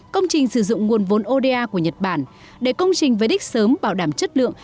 công trình sử dụng nguồn vốn oda của nhật bản để công trình với đích sớm bảo đảm chất lượng